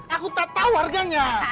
aku tak tahu harganya